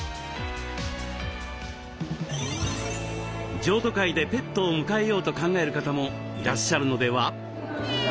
譲渡会でペットを迎えようと考える方もいらっしゃるのでは？